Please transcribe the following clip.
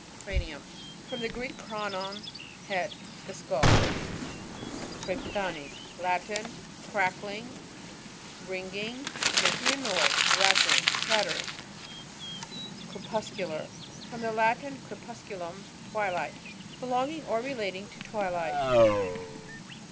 Cranium.— From the Greek, kramn, head. The skull. Crepitans. — Latin. Cackling, ring ing, niaking a noise, raettling, chattering. Crepuscular.— From the Latin, ere pusculum, twilight. Belonging or relating to twilight.